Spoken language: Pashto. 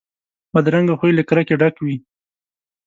بدرنګه خوی له کرکې ډک وي